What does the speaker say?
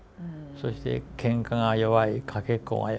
そしてケンカが弱いかけっこが遅い